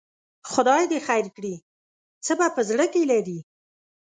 خدای دې خیر کړي، څه په زړه کې لري؟